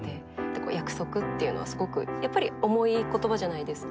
約束っていうのはすごくやっぱり重い言葉じゃないですか。